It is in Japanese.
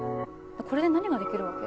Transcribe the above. これで何ができるわけ？